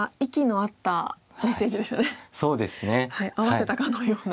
合わせたかのような。